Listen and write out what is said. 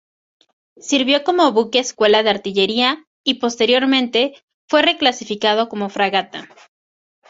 Sirvió como buque escuela de artillería, y posteriormente, fue reclasificado como fragata.